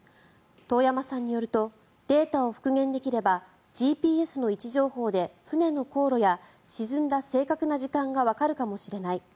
遠山さんによるとデータを復元できればＧＰＳの位置情報で船の航路や沈んだ正確な時間がわかるかもしれない。